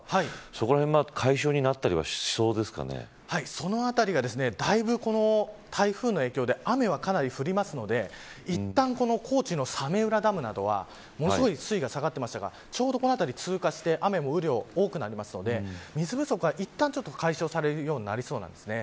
そこらへんそのあたりがだいぶ、この台風の影響で雨は、かなり降るのでいったん高知の早明浦ダムなどはものすごい水位が下がっていましたがちょうどこの辺りを通過して雨量も多くなるので水不足は、いったん解消されるようになりそうです。